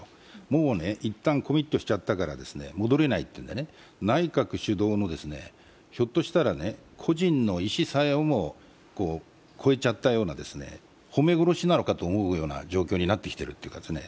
もう一旦コミットしちゃっから戻れないというので内閣主導の、ひょっとしたら故人の意思さえ超えちゃった、褒め殺しなのかと思うぐらいの状況になってきているというね。